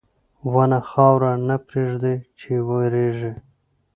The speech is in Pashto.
• ونه خاوره نه پرېږدي چې وریږي.